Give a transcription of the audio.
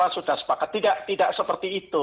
sudah sepakat tidak seperti itu